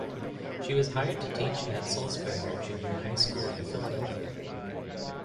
She was hired to teach at Sulzberger Junior High School in Philadelphia.